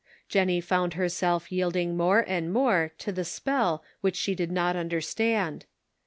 Jennie found herself yielding more and more to the spell which she did not understand.